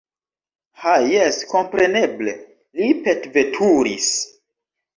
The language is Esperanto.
Ha jes, kompreneble, li petveturis!